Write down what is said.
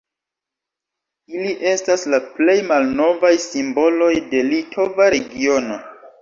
Ili estas la plej malnovaj simboloj de litova regiono.